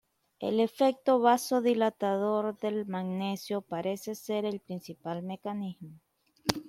El efecto vasodilatador del magnesio parece ser el principal mecanismo.